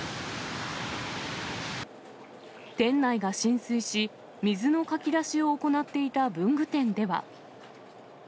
店内が浸水し、水のかき出しを行っていた文具店では。